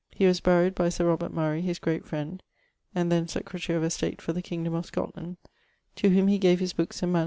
He was buried by Sir Robert Murrey, his great friend (and then secretary of estate for the kingdome of Scotland); to whome he gave his bookes and MSS.